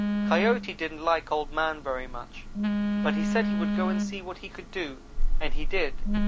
Coyote didn't like Old man very much, but he said he would go and see what he could do, and he did.